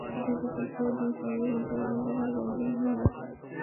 দুই বছর ধরে দুই শহরের মধ্যে কোনো বিবাহ- বন্ধন হয়নি।